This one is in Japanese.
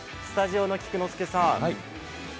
スタジオの菊之助さん